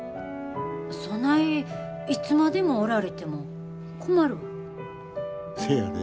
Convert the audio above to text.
そないいつまでもおられても困るわ。